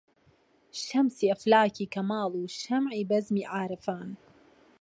شەمسی ئەفلاکی کەماڵ و شەمعی بەزمی عارفان